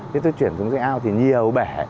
khi tôi chuyển xuống dây ao thì nhiều bể